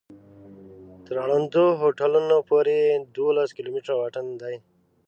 تر اړوندو هوټلونو پورې یې دولس کلومتره واټن دی.